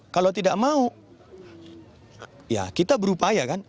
kalau tidak mau ya kita berupaya kan